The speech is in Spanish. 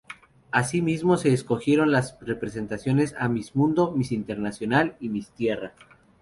Así mismo se escogieron las representantes a Miss Mundo, Miss Internacional y Miss Tierra.